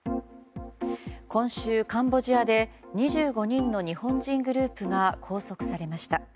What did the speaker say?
今週、カンボジアで２５人の日本人グループが拘束されました。